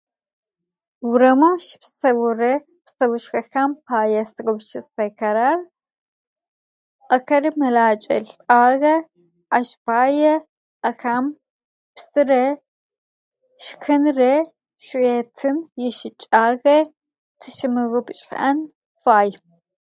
Урамым щыпсэурэ псэушъхэхэм пае сэгупшысэхэрэр: ахэри мэлакӏэ лӏагъэ ащ пае ахэм псырэ шхэнырэ шъуетын ищыкӏагъэ, тищэмыгъупшӏэн фай.